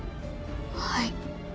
はい。